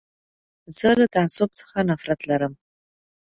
زه له تعصب څخه نفرت لرم.